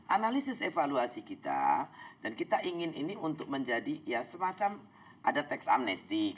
analisis evaluasi kita dan kita ingin ini untuk menjadi ya semacam ada teks amnesty